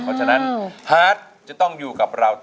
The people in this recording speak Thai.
เพราะฉะนั้นฮาร์ดจะต้องอยู่กับเรา